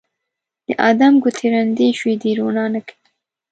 د ادم ګوتې ړندې شوي دي روڼا نه کوي